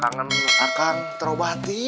kangen akan terobati